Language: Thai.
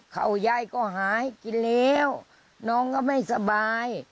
เขายายก็หาให้กินแล้วน้องก็ไม่สบาย